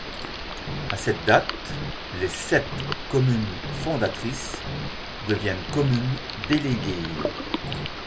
À cette date, les sept communes fondatrices deviennent communes déléguées.